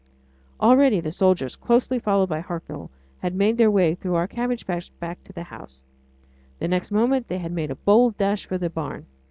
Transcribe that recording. Already the soldiers, closely followed by Hercule, had made their way through our cabbage patch back to the house. The next moment they had made a bold dash for the barn.